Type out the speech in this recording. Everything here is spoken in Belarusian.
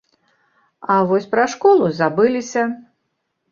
А вось пра школу забыліся.